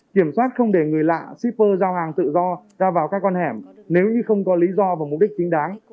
kiểm soát không để người lạ shipper giao hàng tự do ra vào các con hẻm nếu như không có lý do và mục đích chính đáng